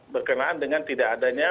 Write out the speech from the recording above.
berkenaan dengan tidak adanya